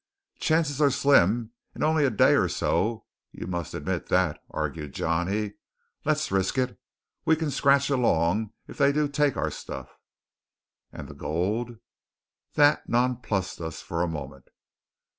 "Chances are slim in only a day or so; you must admit that," argued Johnny. "Let's risk it. We can scratch along if they do take our stuff." "And the gold?" That nonplussed us for a moment.